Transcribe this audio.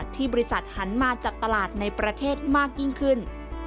ที่บริษัทหันมาจับตลาดในประเทศมากยิ่งขึ้น